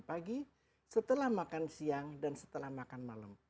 pagi setelah makan siang dan setelah makan malam